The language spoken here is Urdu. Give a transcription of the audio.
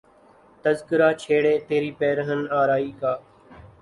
تذکرہ چھیڑے تری پیرہن آرائی کا